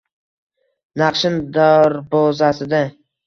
Naqshin darbozasida